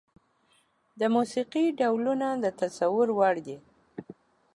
د موسيقي ډولونه د تصور وړ دي.